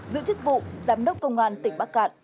giữ chức vụ giám đốc công an tỉnh bắc cạn